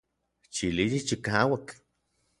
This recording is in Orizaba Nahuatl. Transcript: Chili yichikauak.